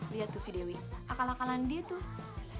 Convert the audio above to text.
lihat tuh si dewi akal akalan dia tuh